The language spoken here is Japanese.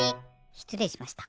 しつれいしました。